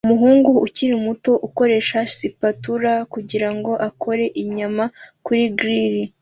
Umuhungu ukiri muto ukoresha spatula kugirango akore inyama kuri grill